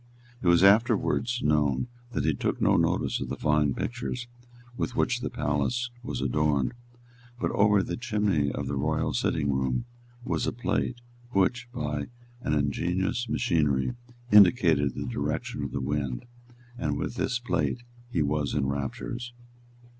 It was afterwards known that he took no notice of the fine pictures with which the palace was adorned. But over the chimney of the royal sitting room was a plate which, by an ingenious machinery, indicated the direction of the wind; and with this plate he was in raptures.